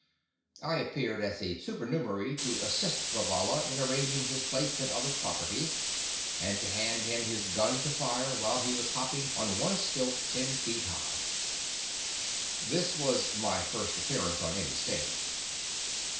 I appeared as a supernumerary to assist Vivalla in arranging his plates and other "properties"; and to hand him his gun to fire while he was hopping on one stilt ten feet high. This was "my first appearance on any stage."